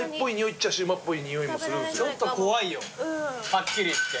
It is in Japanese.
はっきり言って。